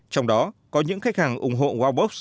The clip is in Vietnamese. trong đó có những khách hàng ủng hộ wabox